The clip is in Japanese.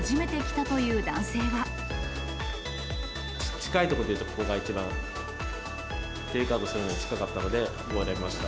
近い所でいうと、ここが一番テイクアウトするのに近かったので、ここを選びました。